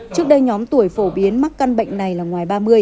trước đây nhóm tuổi phổ biến mắc căn bệnh này là ngoài ba mươi